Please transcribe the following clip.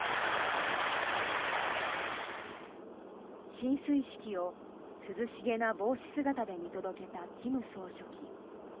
進水式を涼しげな帽子姿で見届けた金総書記。